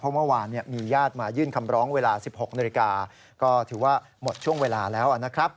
เมื่อวานมีญาติมายื่นคำร้องเวลา๑๖นาฬิกาก็ถือว่าหมดช่วงเวลาแล้วนะครับ